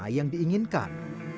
warna yang diinginkan